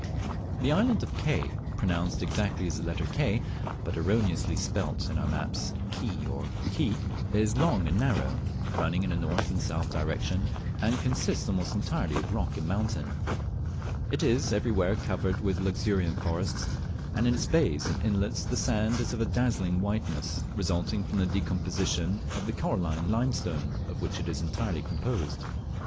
The island of Ke (pronounced exactly as the letter K, but erroneously spelt in our maps Key or Ki) is long and narrow, running in a north and south direction, and consists almost entirely of rock and mountain. It is everywhere covered with luxuriant forests, and in its bays and inlets the sand is of dazzling whiteness, resulting from the decomposition of the coralline limestone of which it is entirely composed.